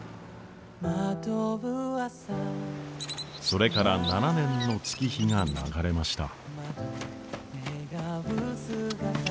それから７年の月日が流れました。